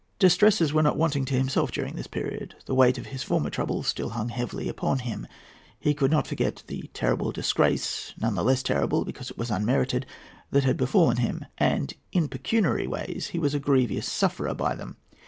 Distresses were not wanting to himself during this period. The weight of his former troubles still hung heavily upon him. He could not forget the terrible disgrace—none the less terrible because it was unmerited—that had befallen him. And in pecuniary ways he was a grievous sufferer by them.